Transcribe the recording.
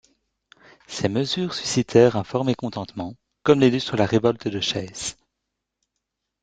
Ces mesures suscitèrent un fort mécontentement comme l'illustre la révolte de Shays.